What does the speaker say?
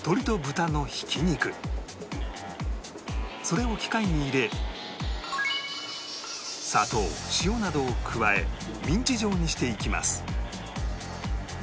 それを機械に入れ砂糖塩などを加えミンチ状にしていきます